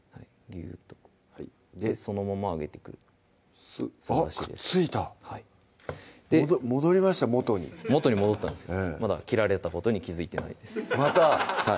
ぎゅーっとそのまま上げてくるスッあっくっついた戻りました元に元に戻ったんですまだ切られたことに気付いてないですまた！